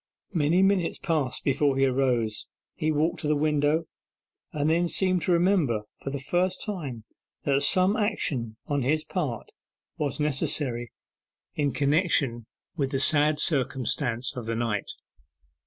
Many minutes passed before he arose. He walked to the window, and then seemed to remember for the first time that some action on his part was necessary in connection with the sad circumstance of the night.